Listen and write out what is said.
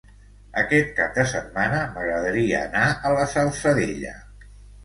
Aquest cap de setmana m'agradaria anar a la Salzadella.